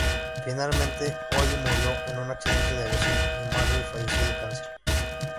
Finalmente, Holly murió en un accidente de aviación y Marley falleció de cáncer.